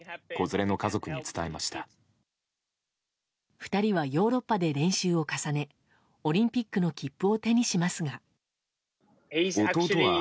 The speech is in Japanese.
２人はヨーロッパで練習を重ねオリンピックの切符を手にしますが。